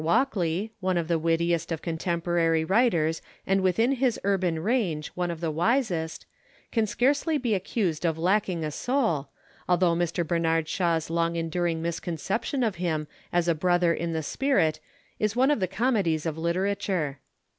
Walkley, one of the wittiest of contemporary writers and within his urban range one of the wisest, can scarcely be accused of lacking a soul, though Mr. Bernard Shaw's long enduring misconception of him as a brother in the spirit is one of the comedies of literature.